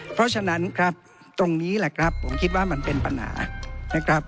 เพราะฉะนั้นครับตรงนี้แหละครับผมคิดว่ามันเป็นปัญหานะครับ